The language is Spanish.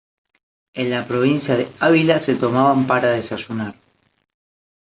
En la provincia de Ávila se tomaban para desayunar.